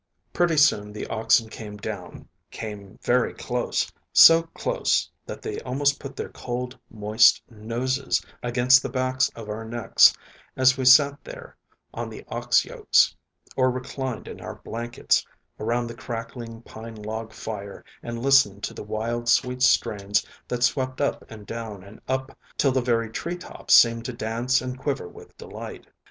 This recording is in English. Pretty soon the oxen came down, came very close, so close that they almost put their cold, moist noses against the backs of our necks as we sat there on the ox yokes or reclined in our blankets, around the crackling pine log fire and listened to the wild, sweet strains that swept up and down and up till the very tree tops seemed to dance and quiver with delight.